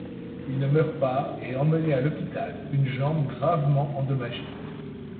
Il ne meurt pas et est emmené à l'hôpital, une jambe gravement endommagée.